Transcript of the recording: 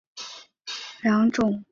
热机分为内燃机和外燃机两种。